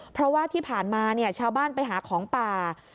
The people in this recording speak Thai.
เพราะว่าที่ผ่านมาชาวบ้านไปหาของป่า